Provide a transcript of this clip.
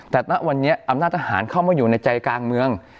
แต่ณวันนี้อำนาจทหารเข้ามาอยู่ในใจกลางเมือง